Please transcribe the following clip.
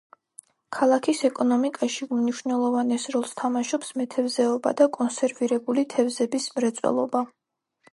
ქალაქის ეკონომიკაში უმნიშვნელოვანეს როლს თამაშობს მეთევზეობა და კონსერვირებული თევზების მრეწველობა.